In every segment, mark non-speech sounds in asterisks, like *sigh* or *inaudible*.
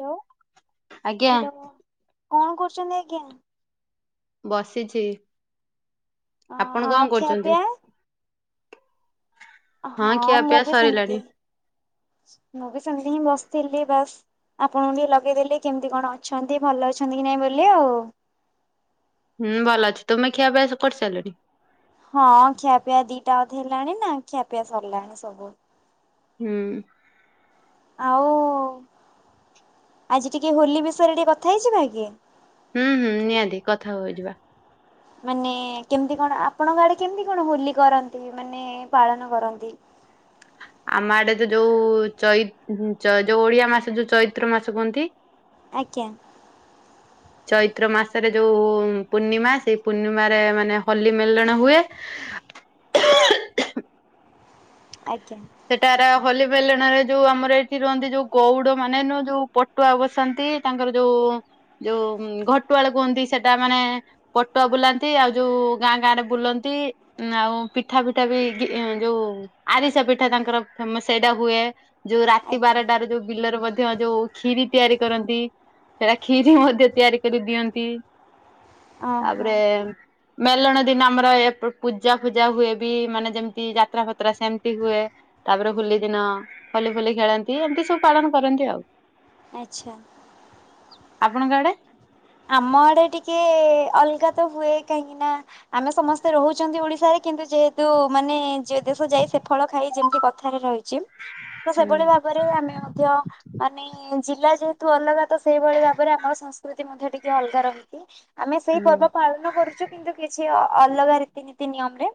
Hello ଆଜ୍ଞା hello. କଣ କରୁଛନ୍ତି ଆଜ୍ଞା। ବସିଛି। ହଁ ଆପଣ ହଁ କଣ ଖିଆ କରୁଛନ୍ତି? ପିଆ। ହଁ ଖିଆ ମୁଁ ପିଆ ବି ସାରିଲାଣି। ସେମିତି ମୁଁ ବି ସେମତି ହିଁ ବସିଥିଲି ବାସ୍ ଆପଣଙ୍କୁ ଟିକେ ଲଗେଇଦେଲି କେମିତି କଣ ଅଛନ୍ତି ଭଲ ଅଛନ୍ତି କି ନାଇଁ ବୋଲି ଆଉ। ହୁଁ ଭଲ ଅଛି ତୁମେ ଖିଆପିଆ କରିସାରିଲନଣି। ହଁ ଖିଆପିଆ ଦିଟା ବଧେ ହେଲାଣି ନା ଖିଆପିଆ ସରିଲାଣି ସବୁ। ହୁଁ। ଆଉ *inaudible* ଆଜି ଟିକେ ହୋଲି ବିଷୟରେ ଟିକେ କଥା ହେଇଯିବା କି। ହୁଁ ହୁଁ ନିହାତି କଥା ହଉ ଯିବା। ମାନେ କେମିତି କଣ ଆପଣଙ୍କ ଆଡେ କେମିତି କଣ ହୋଲି କରନ୍ତି ମାନେ ପାଳନ କରନ୍ତି। ଆମ ଆଡେ ତ ଯୋଉ ଚ ଯୋଉ ଓଡିଆ ମାସ ଯୋଉ ଚୈତ୍ର ମାସ କୁହନ୍ତି। ଆଜ୍ଞା। ଚୈତ୍ର ମାସରେ ଯୋଉ ପୂର୍ଣ୍ଣିମା ସେଇ ପୂର୍ଣ୍ଣିମାରେ ମାନେ ହୋଲି ମେଲଣ ହୁଏ। ଆଜ୍ଞା। ସେଟାର ହୋଲି ବେଲାଣରେ ଯୋଉ ଆମର ଏଇଠି ରୁହନ୍ତି ଯୋଉ ଗଉଡ ମାନେ ନୁ ଯୋଉ ପଟୁଆ ବସନ୍ତି ତାଙ୍କର ଯୋଉ ଯୋଉ ଘଟୁଆଳ କୁହନ୍ତି ସେଟା ମାନେ ପଟୁଆ ବୁଲାନ୍ତି ଆଉ ଯୋଉ ଗାଁ ଗାଁ ରେ ବୁଲନ୍ତି ଆଉ ପିଠା ପିଠା ବି ଯୋଉ ଆରିସା ପିଠା। ଥା ତାଙ୍କର ଫେମ ସେଇଟା ହୁଏ। ଯୋଉ ରାତି ଆଜ୍ଞା ବାରଟ ର ଯୋଉ ବିଲରେ ମଧ୍ୟ ଯୋଉ ଖିରି ତିଆରି କରନ୍ତି ସେଟା ଖିରି ମଧ୍ୟ ତିଆରି କରି ଦିଅନ୍ତି। ଓହୋ ତାପରେ ମେଲଣ ଦିନ ଆମର ଏ ପୂଜା ଫୂଜା ହୁଏ ବି ମାନେ ଯେମିତି ଯାତ୍ରା ପତ୍ରା ସେମତି ହୁଏ। ତାପରେ ହୋଲି ଦିନ ହଲି ଫୁଲି ଖେଳନ୍ତି ଏମିତି ସବୁ ପାଳନ କରନ୍ତି ଆଉ। ଆଚ୍ଛା। ଆପଣଙ୍କ ଆଡେ ଆମ ଆଡେ ଟିକେ ଅଲଗା ତ ହୁଏ। କାହିଁକି ନା ଆମେ ସମସ୍ତେ ରହୁଛନ୍ତି ଓଡିଶାରେ। କିନ୍ତୁ ଯେହେତୁ ମାନେ ଯେ ଦେଶ ଯାଇ ସେ ଫଳ ଖାଇ ଯେମିତି କଥାରେ ରହିଛି। ତ ହୁଁ ସେଭଳି ଭାବରେ ଆମେ ମଧ୍ୟ ମାନେ ଜିଲ୍ଲା ଯେହେତୁ ଅଲଗା ତ ସେହିଭଳି ଭାବରେ ଆମର ସନ ମଧ୍ୟ ଟିକେ ଅଲଗା ରହିଛିି ଆମେ ସେଇ ହୁଁ ପର୍ବ ପାଳନ କରୁଛୁ। କିନ୍ତୁ କିଛି ଅ ଅଲଗା ରୀତିନୀତି ନିୟମରେ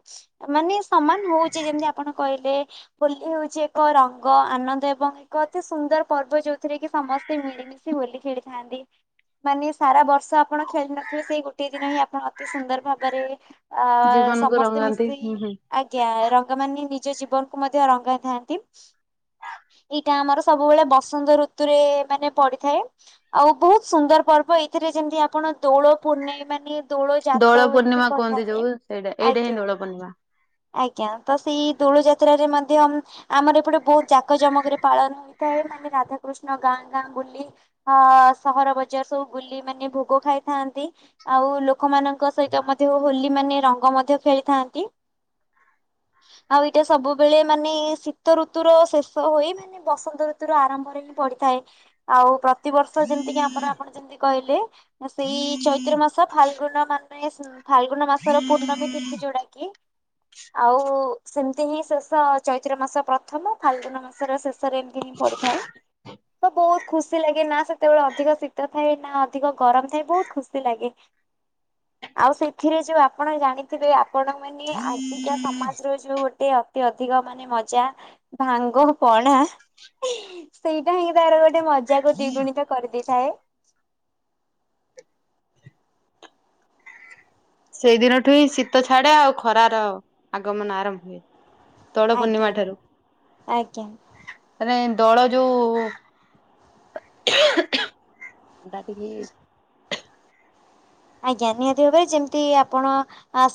ମାନେ ସମାନ ହଉଛି ଯେମିତି ଆପଣ କହିଲେ ହୋଲି ହଉଛି ଏକ ରଙ୍ଗ ଆନନ୍ଦ ଏବଂ ଏକ ଅତି ସୁନ୍ଦର ପର୍ବ ଯୋଉଥିରେ କି ସମସ୍ତେ ମିଳିମିଶି ହୋଲି ଖେଳିଥାନ୍ତି। ମାନେ ସାରା ବର୍ଷ ଆପଣ ଖେଳି ନଥିବେ ସେଇ ଗୋଟେ ଦିନ ହିଁ ଆପଣ ଅତି ସୁନ୍ଦର ଭାବରେ ଅ ଜୀବନକୁ ସମସ୍ତେ ରଙ୍ଗାନ୍ତି ମିଶି ହୁଁ ହୁଁ। ଆଜ୍ଞା ରଙ୍ଗ ମାନ ନିଜ ଜୀବନକୁ ମଧ୍ୟ ରଙ୍ଗାଇଥାନ୍ତି ଏଇଟା ଆମର ସବୁବେଳେ ବସନ୍ତ ଋତୁରେ ମାନେ ପଡିଥାଏ। ଆଉ ବହୁତ ସୁନ୍ଦର ପର୍ବ ଏଥିରେ ଯେମିତି ଆପଣ ଦୋଳ ପୂର୍ଣ୍ଣିମ ମାନେ ଯାତ ଦୋଳ ବୋଲି ବି ପୂର୍ଣ୍ଣିମା କୁହନ୍ତି କହିଥାନ୍ତି। ଯୋଉ ସେଇଟା ଏଇଟା ଆଜ୍ଞା। ହିଁ ଦୋଳ ପୂର୍ଣ୍ଣିମା। ଆଜ୍ଞା ତ ସେଇ ଦୋଳ ଯାତ୍ରାରେ ମଧ୍ୟ ଆମର ଏପଟେ ବହୁତ ଜାକ ଜମକରେ ପାଳନ ହୋଇଥାଏ। ମାନେ ରାଧାକୃଷ୍ଣ ଗାଁ ଗାଁ ବୁଲି ସହର ବଜା ଜାର ସବୁ ବୁଲି ମାନେ ଭୋଗ ଖାଇଥାନ୍ତି। ଆଉ ଲୋକମାନଙ୍କ ସହିତ ମଧ୍ୟ ହୋଲି ମାନେ ରଙ୍ଗ ମଧ୍ୟ ଖେଳିଥାନ୍ତି। *inaudible* ଆଉ ଏଇଟା ସବୁବେଳେ ମାନେ ଶୀତ ଋତୁର ଶେଷ ହୋଇ ମାନେ ବସନ୍ତ ଋତୁୁର ଆରମ୍ଭରେ ହିଁ ପଡିଥାଏ। ଆଉ ପ୍ରତିବର୍ଷ ଯେମିତିକି ଆମର ଆପଣ ଯେମିତି କହିଲେ ସେଇ ଚୈତ୍ର ମାସ ଫାଲଗୁନ ମାନ ନାଇଁସ୍ ନ ଫାଲଗୁନ ମାସର ପୂର୍ଣ୍ଣମୀ ତିଥି ଯୋଉଟା କି ଆଉ ସେମ ହିଁ ଶେଷ ଚୈତ୍ର ମାସ ପ୍ର ପ୍ରଥମ ଫାଲଗୁନ ମାସର ଶେଷରେ ଏମତି ହିଁ ପଡିଥାଏ। ତ ବହୁତ ଖୁସି ଲାଗେ ନା ସେତେବେଳେ ଅଧିକ ଶୀ ତ ଥାଏ ନା ଅଧିକ ଗରମ ଥାଏ ବହୁତ ଖୁସି ଲାଗେ। *inaudible* ଆଉ ସେଥିରେ ଯୋଉ ଆପଣ ଜାଣିଥିବେ ଆ ଆପଣ ମାନେ ଆଜିକା ସମାଜର ଯୋଉ ଗୋ ଟେ ଅତି ଅଧିକ ମାନେ ମଜା ଭାଙ୍ଗ ପଣା ସେଇଟା ହିଁ ତାର ଗୋ ମଜାକୁ ଦିଗୁଣିତ କରିଦେଇ ଥାଏ ସେଇଦିନଠୁ ହିଁ ଶୀତ ଛାଡେ ଆଉ ଖରାର ଆଗମନ ଆରମ୍ଭ ହୁଏ। ଦୋଳ ପୂର୍ଣ୍ଣିମା ଆଜ୍ଞା ଠାରୁ ଆଜ୍ଞା। *inaudible* ମାନେ ଦୋଳ ଯୋଉ *inaudible* ଥଣ୍ଡା ଟିକେ ହେଇଚି ଆଜ୍ଞା ନିହାତି ଭାବରେ ଯେମିତି ଆପଣ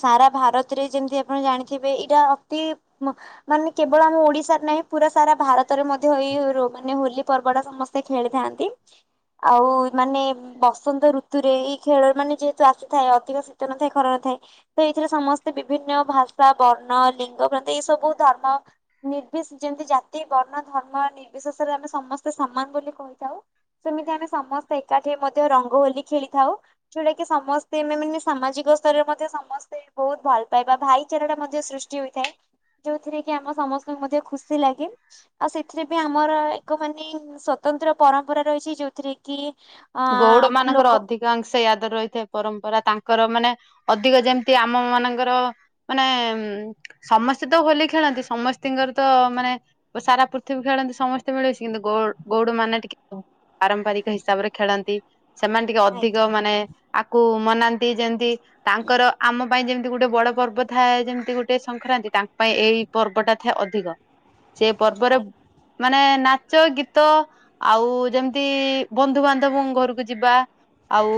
ସାରା ଭାରତରେ ଯେମିତି ଆପଣ ଜାଣିଥିବେ। ଏଇଟା ଅତି ମାନେ କେବଳ ଆମ ଓଡିଶାରେ ନାହିଁ। ପୁରା ସାରା ଭାରତରେ ମଧ୍ୟ ଏଇ ମାନେ ହୋଲି ପର୍ବ ଟା ସମସ୍ତେ ଖେଳିଥାନ୍ତି। ଆଉ ମାନେ ବସନ୍ତ ଋତୁରେ ଏଇ ଖେଳରେ ମାନେ ଯେହେତୁ ଆସିଥାଏ ଅଧିକ ଶୀତ ନଥାଏ ଖରା ନ ଥାଏ ତ ଏଥିରେ ସମସ୍ତେ ବିଭିନ୍ନ ଭାଷା ବର୍ଣ୍ଣ ଲିଙ୍ଗ ପ୍ରାନ୍ତ ଏଇ ସବୁ ଧର୍ମ ନିର୍ବି ଯେମିତି ଜାତି ବର୍ଣ୍ଣ ଧର୍ମ ନିର୍ବିଶେଷରେ ଆମେ ସମସ୍ତେ ସମାନ ବୋଲି କହିଥାଉ ସେମିତି ଆମେ ସମସ୍ତେ ଏକାଠି ମଧ୍ୟ ରଙ୍ଗହୋଲି ଖେଳିଥାଉ, ଯେଉଟାକି ସମସ୍ତେ ଆମ ମାନେ ସାମାଜିକ ସ୍ତରରେ ମଧ୍ୟ ସମସ୍ତେ ବହୁତ ଭଲ ପାଇବା ଭାଇଚାରାଟା ମଧ୍ୟ ସୃଷ୍ଟି ହୋଇଥାଏ, ଯେଉଁଥିରେ କି ଆମ ସମସ୍ତଙ୍କୁ ମଧ୍ୟ ଖୁସି ଲାଗେ ଆଉ ସେଥିରେ ବି ଆମର ଏକ ମାନେ ସ୍ଵତନ୍ତ୍ର ପରମ୍ପରା ରହିଛି ଯେଉଥିରେ କି, ଅ ଗଉଡ ମାନଙ୍କର ଲୋକ ଅଧିକାଂଶ ରହିଥାଏ ପରମ୍ପରା ତାଙ୍କର ମାନେ ଅଧିକ ଯେମିତି ଆମ ମାନଙ୍କର ମାନେ ଉ ସମସ୍ତେ ତ ହୋଲି ଖେଳନ୍ତି ସମସ୍ତତିଙ୍କର ତ ମାନେ ସାରା ପୃଥିବୀ ଖେଳନ୍ତି ସମସ୍ତେ ମିଳୁଛି କିନ୍ତୁ ଗ ଗଉଡ ମାନେ ଟିକେ ପାରମ୍ପରିକ ହିସାବରେ ଖେଳନ୍ତି, ସେମାନେ ଟିକେ ଅଧିକ ଆଜ୍ଞା ମାନେ ଆକୁ ମନାନ୍ତି ଯେମିତି ତାଙ୍କର ଆମ ପାଇଁ ଯେମିତି ତି ଗୋଟେ ବଡ ପର୍ବ ଥାଏ ଯେମିତି ଗୋଟେ ସଂକ୍ରାନ୍ତି ତାଙ୍କ ପାଇଁ ଏଇ ପର୍ବଟା ଥାଏ ଅଧିକ, ସେ ପର୍ବରେ ମାନେ ନାଚ ଗୀତ ଆଉ ଯେମିତି ବନ୍ଧୁବାନ୍ଧବ ବ ଘରକୁ ଯିବା ଆଉ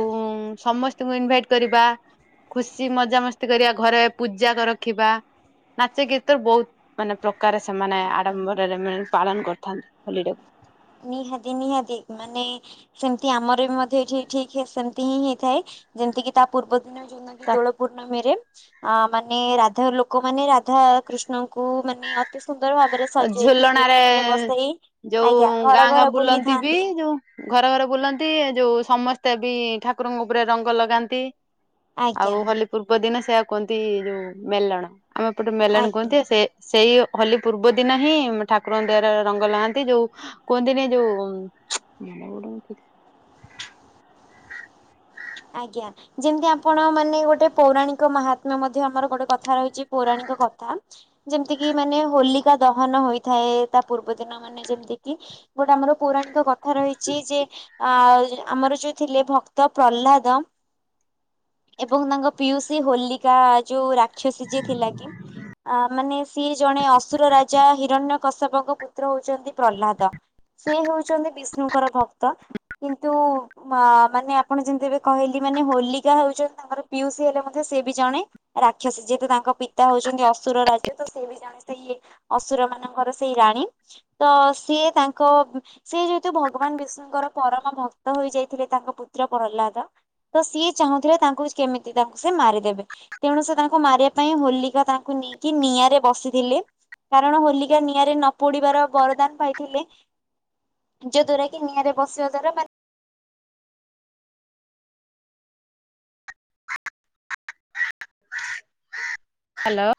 ସମସ୍ତଙ୍କୁ ଇନଭାଇଟ କରିବା ଖୁସି ମଜାମସ୍ତି କରିବା ଘରେ ପୂଜା ରଖିବା ନାଚ ଗୀତର ବହୁତ ମାନେ ପ୍ରକ ସେମାନେ ଆଜ୍ଞା। ଆଡମ୍ବରରେ ପାଳନ କରିଥାନ୍ତି। ହୋଲି ରେ। ନିହାତି ନିହାତି ମାନେ ସେମିତି ଆମର ବି ମଧ୍ୟ ଏଠି ଠିକ ସେମିତି ହିଁ ହେଇଥାଏ ଯେମତିି ତା ପୂର୍ବ ଦ ଯେଉଁନା କି ଦୋଳ ପୂର୍ଣ୍ମ ରେ ଅ ମାନେ ରାଧା ଲୋକମାନୋନେ ରାଧା କୃଷ୍ଣଙ୍କୁ ମାନେ ଅତି ସୁନ୍ଦର ଭାବରେ ସଜେଇକି ଝୁଲଣାରେ ବିମାନ ରେ ବସେଇ ଯୋଉ ଆଜ୍ଞା। ଘର ଗାଁ ଗାଁ ଘର ବୁଲନ୍ତି ବି ବୁଲିଥାନ୍ତି ଯୋଉ ଘର ଘର ବୁଲନ୍ତି ଯୋଉ ସମ ସମସ୍ତେ ବି ଠାକୁରଙ୍କ ଉପରେ ରଙ୍ଗ ଲଗାନ୍ତି। ଆଜ୍ଞା ଆଉ ହୋଲି ପୂର୍ବ ଦିନ ସେଇଆ କୁହନ୍ତି ଯୋଉ ମେଲଣ। ଆମେ ପଟେ ମେଲାଣି ଆଜ୍ଞା। କୁହନ୍ତି ସେ ସେଇ ହୋଲି ପୂର୍ବ ଦିନ ହିଁ ଠାକୁରଙ୍କ ଦହର ରଙ୍ଗ ଲଗନ୍ତି ଯୋଉ କୁହନ୍ତିନି ଯୋଉ ଆଜ୍ଞା ଯେମିତି ଆପଣ ମାନେ ଗୋଟେ ପୌରାଣିକ ମହାତ୍ମ ମଧ୍ୟ ଆମର ଗୋଟେ କଥା ରହିଛି ପୌରାଣିକ କଥା ଯେମିତିକି ମାନେ ହୋଲିକା ଦହନ ହୋଇଥାଏ ତା ପୂର୍ବ ଦିନ ମାନେ ଯେମିତିକି ଗୋଟେ ଆମର ପୌରାଣିକ ଏକ କଥା ରହିଛି ଯେ ଆ ଆମର ଯୋଉ ଥିଲେ ଭକ୍ତ ପ୍ରହ୍ଲାଦ ଏବଂ ତାଙ୍କ ପିଉସ ହୋଲିକା ଯୋଉ ରା ସଜ ଥିଲା କି ଆ ମାନେ ସିଏ ଜଣେ ଅସୁର ରାଜା ହିରଣ୍ୟ କଶ୍ୟପଙ୍କ ପୁତ୍ର ହଉଛନ୍ତି ପ୍ରହ୍ଲାଦ ସେ ହଉ ଛନ୍ତି ବିଷ୍ଣୁଙ୍କର ଭକ୍ତ। କିନ୍ତୁ ମାନେ ଆପଣ ଯେମିତି ଏବେ କହିଲି ମାନେ ହୋଲିକା ହଉଛନ୍ତି ତାଙ୍କର ପିଉସୀ ହେଲେ ମଧ୍ୟ ସେ ବି ଜଣେ ରାକ୍ଷସୀ ଯେହେତୁ ତାଙ୍କ ପିତା ହଉଛନ୍ତି ଅସୁର ରାଜ ତ ସେ ବି ଜଣେ ସେଇ ଅସୁର ମାନଙ୍କର ସେଇ ରାଣୀ ତ ସିଏ ତାଙ୍କ ସେି ଯେହେତୁ ଭଗବାନ ବିଷ୍ଣୁଙ୍କର ପରମ ଭକ୍ତ ହୋଇ ଯାଇଥିଲେ ତାଙ୍କ ପୁତ୍ର ପ୍ରହ୍ଲାଦ। ତ ସିଏ ଚାହୁଁଥିଲେ ତାଙ୍କୁ କେମିତି ତାଙ୍କୁ ସେ ମାରିଦେବେ ତେଣୁ ସେ ତାଙ୍କୁ ମାରିବା ପାଇଁ ହୋଲିକା ତାଙ୍କୁ ନେଇକି ନିଆଁରେ ବସିଥିଲେ କାରଣ ହୋଲିକା ନିଆଁରେ ନ ପୋଡିବାର ବରଦାନ ପାଇଥିଲେ ଯ ଦ୍ଵାରା କି ନିଆଁରେ ବସିବା ଦ୍ରାରା *inaudible* ହ୍ୟାଲୋ।